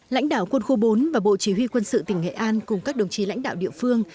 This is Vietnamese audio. lãnh đạo quân khu bốn và bộ chỉ huy quân sự tỉnh nghệ an cùng các đồng chí lãnh đạo địa phương